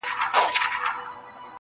نيمه خوږه نيمه ترخه وه ښه دى تېره سوله,